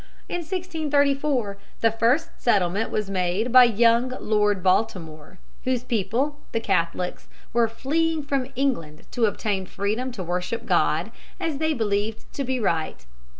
In 1634 the first settlement was made by young Lord Baltimore, whose people, the Catholics, were fleeing from England to obtain freedom to worship God as they believed to be right.